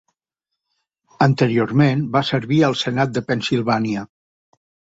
Anteriorment va servir al senat de Pennsilvània.